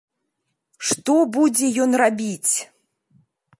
Што будзе ён рабіць?